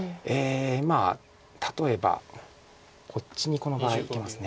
まあ例えばこっちにこの場合いけます。